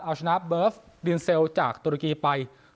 เอาชนะเบิร์ฟดินเซลจากตุรกีไป